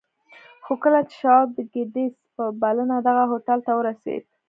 خو کله چې شواب د ګيټس په بلنه دغه هوټل ته ورسېد.